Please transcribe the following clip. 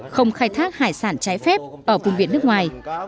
không khai thác hải sản trái phép ở vùng biển nước ngoài